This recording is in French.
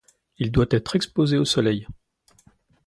Il doit être exposé au soleil.